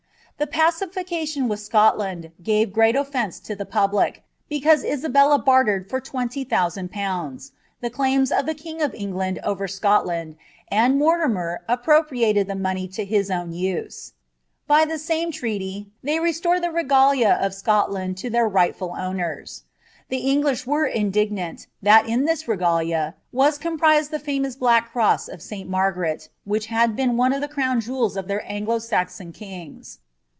The pacification with Scotland gave great oflence to the pablir.l» cause Isabella bartered for twenty thousand pounds, the claims nf ilir king of England over Scotland, and Mortimer appropriated the niontTia his own use. Br the same treaty they restored the regalia of tj^uihwl lo their rightful owners ; the English were indignant, that in ibit iqplih was comprised the (amous Black Cross of St. Margaret, wbid) hid kNi one of the crown jewels of their Anglo Saxon kings.